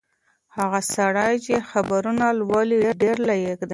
هغه سړی چې خبرونه لولي ډېر لایق دی.